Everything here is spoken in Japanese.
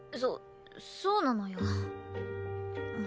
そそうなのよ。